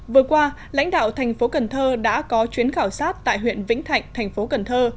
vừa qua lãnh đạo thành phố cần thơ đã có chuyến khảo sát tại huyện vĩnh thạnh thành phố cần thơ